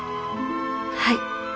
はい。